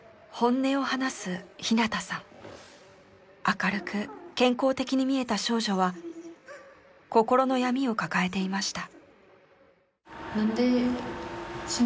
明るく健康的に見えた少女は心の闇を抱えていました。